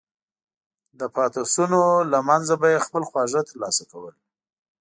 د پاتېشونو له منځه به یې خپل خواړه ترلاسه کول.